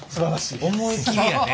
思い切りやね。